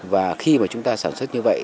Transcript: và khi chúng ta sản xuất như vậy